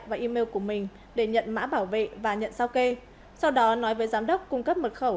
và email của mình để nhận mã bảo vệ và nhận sao kê sau đó nói với giám đốc cung cấp mật khẩu